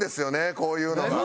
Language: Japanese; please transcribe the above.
こういうのが。